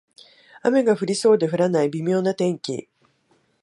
雨が降りそうで降らない微妙な天気